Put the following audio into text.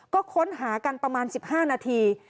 ก็ค้นหากันประมาณ๑๕นาที